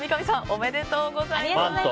おめでとうございます。